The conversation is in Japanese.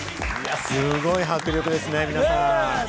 すごい迫力ですね、皆さん。